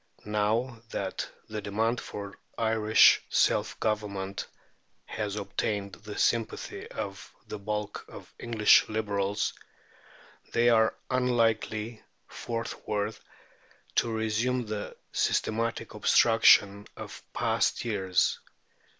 Now that the demand for Irish self government has obtained the sympathy of the bulk of English Liberals, they are unlikely forthwith to resume the systematic obstruction of past years.